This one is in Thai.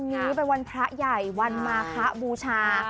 วันนี้เป็นวันพระใหญ่วันมาคะบูชา